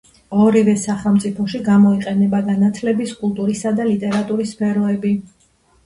ორივე სახელმწიფოში გამოიყენება განათლების, კულტურისა და ლიტერატურის სფეროებში.